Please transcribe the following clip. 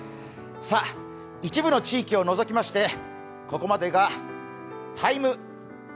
一部の地域を除きまして、ここまでが「ＴＩＭＥ’」。